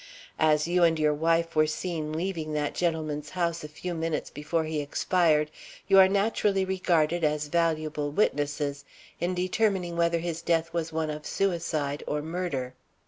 As you and your wife were seen leaving that gentleman's house a few minutes before he expired, you are naturally regarded as valuable witnesses in determining whether his death was one of suicide or murder."